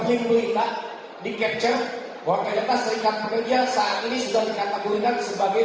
diperintah di capture warga jatah seringkan pekerja saat ini sudah dikategorikan sebagai